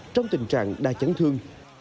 trong tình trạng đa chấn thương